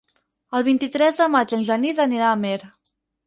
El vint-i-tres de maig en Genís anirà a Amer.